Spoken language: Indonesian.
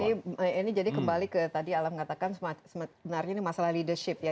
ini jadi kembali ke tadi alam katakan sebenarnya ini masalah leadership ya